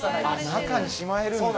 中にしまえるんだ。